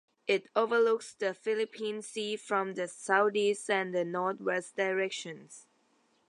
It overlooks the Philippine Sea from the southeast and the north-west directions.